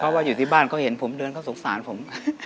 เพราะว่าอยู่ที่บ้านเขาเห็นผมเดินเขาสงสารผม